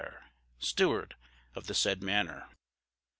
Steward of the said Manor.